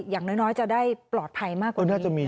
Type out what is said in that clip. อย่างน้อยจะได้ปลอดภัยมากกว่า